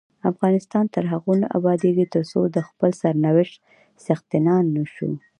افغانستان تر هغو نه ابادیږي، ترڅو د خپل سرنوشت څښتنان نشو.